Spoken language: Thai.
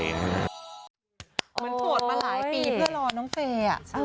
มันโสดมาหลายปีเพื่อรอน้องเฟย์อ่ะ